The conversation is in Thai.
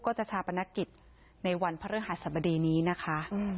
ก็จะชาปนกิจในวันพระเรื่องหาสมดีนี้นะคะ